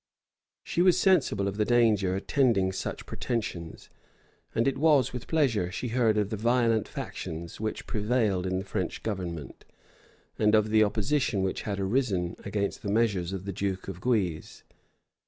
She was sensible of the danger attending such pretensions; and it was with pleasure she heard of the violent factions which prevailed in the French government, and of the opposition which had arisen against the measures of the duke of Guise.